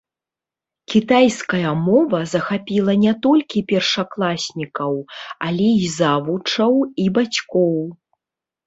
Кітайская мова захапіла не толькі першакласнікаў, але і завучаў, і бацькоў.